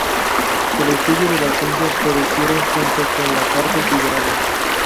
El estudio de las ciencias florecieron junto con las artes liberales.